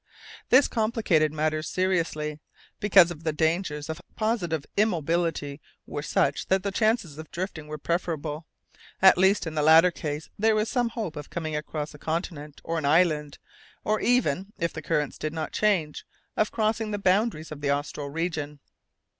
This complicated matters seriously, because the dangers of positive immobility were such that the chances of drifting were preferable. At least, in the latter case there was some hope of coming across a continent or an island, or even (if the currents did not change) of crossing the boundaries of the austral region.